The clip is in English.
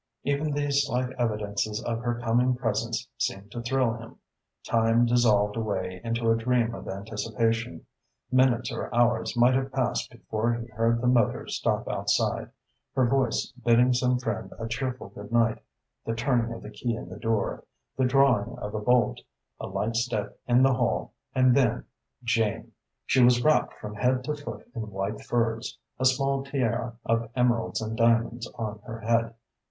Even these slight evidences of her coming presence seemed to thrill him. Time dissolved away into a dream of anticipation. Minutes or hours might have passed before he heard the motor stop outside, her voice bidding some friend a cheerful good night, the turning of the key in the door, the drawing of a bolt, a light step in the hall, and then Jane. She was wrapped from head to foot in white furs, a small tiara of emeralds and diamonds on her head.